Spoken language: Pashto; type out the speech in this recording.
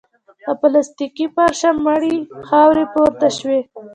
له پلاستيکي فرشه مړې خاورې پورته شوې.